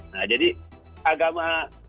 nah jadi agama